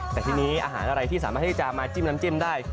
แต่ทีนี้อาหารอะไรที่สามารถที่จะมาจิ้มน้ำจิ้มได้